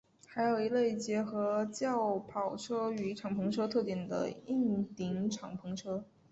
还有一类结合轿跑车与敞篷车特点的硬顶敞篷车。